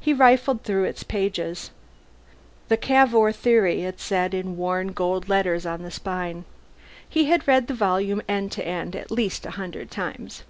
He riffled through its pages. The Cavour Theory, it said in worn gold letters on the spine. He had read the volume end to end at least a hundred times.